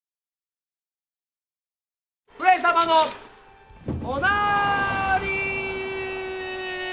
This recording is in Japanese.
・上様のおなーりー。